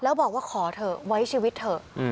แล้วบอกว่าขอเถอะไว้ชีวิตเถอะ